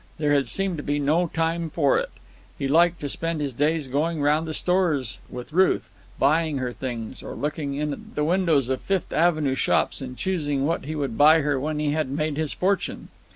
There had seemed to be no time for it. He liked to spend his days going round the stores with Ruth, buying her things, or looking in at the windows of Fifth Avenue shops and choosing what he would buy her when he had made his fortune.